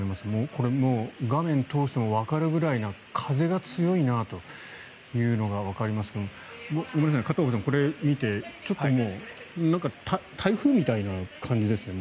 これもう画面を通してもわかるぐらい風が強いなというのがわかりますけども片岡さん、これを見てもう台風みたいな感じですね。